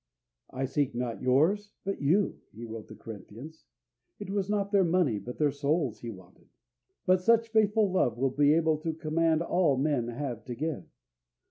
"I seek not yours, but you," he wrote the Corinthians. It was not their money, but their souls he wanted. But such faithful love will be able to command all men have to give.